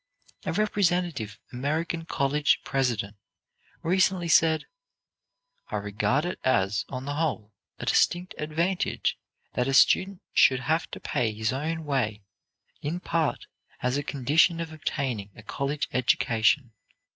A representative American college president recently said: "I regard it as, on the whole, a distinct advantage that a student should have to pay his own way in part as a condition of obtaining a college education.